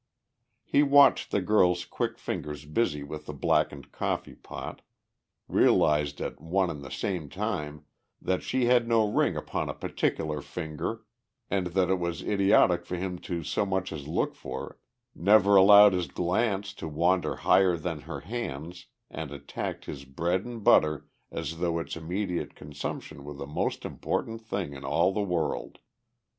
He watched the girl's quick fingers busy with the blackened coffee pot, realized at one and the same time that she had no ring upon a particular finger and that it was idiotic for him to so much as look for it, never allowed his glance to wander higher than her hands and attacked his bread and butter as though its immediate consumption were the most important thing in all the world.